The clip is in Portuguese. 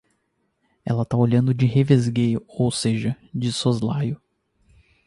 Ela tá olhando de revesgueio, ou seja, de soslaio